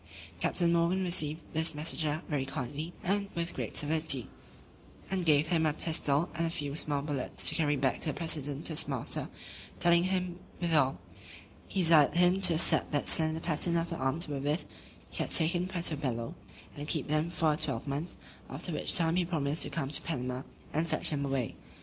Captain Morgan received this messenger very kindly, and with great civility; and gave him a pistol, and a few small bullets, to carry back to the president his master; telling him, withal, "he desired him to accept that slender pattern of the arms wherewith he had taken Puerto Bello, and keep them for a twelvemonth; after which time he promised to come to Panama, and fetch them away."